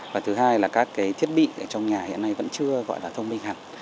và thứ hai là các cái thiết bị ở trong nhà hiện nay vẫn chưa gọi là thông minh hẳn